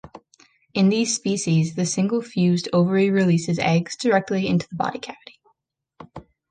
In these species, the single fused ovary releases eggs directly into the body cavity.